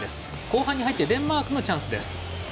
後半に入ってデンマークのチャンスです。